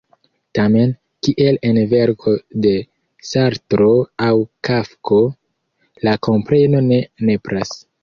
Tamen, kiel en verko de Sartro aŭ Kafko, la kompreno ne nepras.